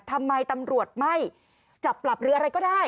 ทำไมตำรวจไม่จับปรับหรืออะไรก็ได้